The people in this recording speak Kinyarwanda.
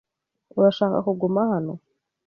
Urashaka kuguma hano?